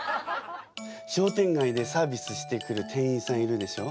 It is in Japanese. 商店街でサービスしてくる店員さんいるでしょ？